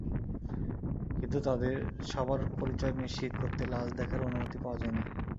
কিন্তু তাঁদের সবার পরিচয় নিশ্চিত করতে লাশ দেখার অনুমতি পাওয়া যায়নি।